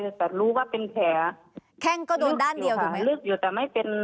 แต่รู้ว่าเป็นแผลแข้งก็โดนด้านเดียวถูกไหมลึกอยู่แต่ไม่เป็น